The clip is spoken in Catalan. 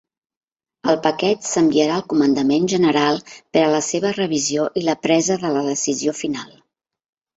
El paquet s'enviarà al comandant general per a la seva revisió i la presa de la decisió final.